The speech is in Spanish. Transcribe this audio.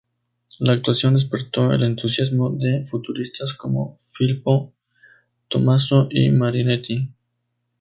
La actuación despertó el entusiasmo de futuristas como Filippo Tommaso Marinetti.